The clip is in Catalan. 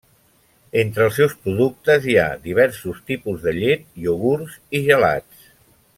Entre els seus productes hi ha diversos tipus de llet, iogurts, i gelats.